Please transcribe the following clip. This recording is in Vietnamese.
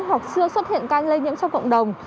hoặc chưa xuất hiện ca lây nhiễm trong cộng đồng